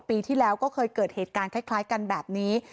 ปีที่แล้วก็เคยเกิดเหตุการณ์คล้ายกันแบบนี้